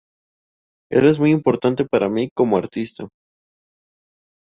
Él es muy importante para mí como artista.